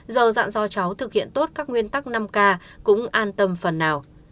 giờ dặn do cháu thực hiện tốt các nguyên tắc năm k cũng an tâm phần nào